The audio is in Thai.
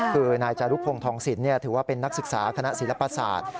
คือนายจารุพงศ์ทองศิลป์ถือว่าเป็นนักศึกษาคณะศิลปศาสตร์